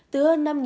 từ hơn năm